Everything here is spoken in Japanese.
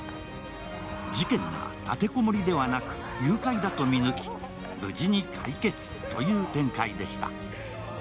事件が立てこもりではなく誘拐だと見抜き無事に解決という展開でした。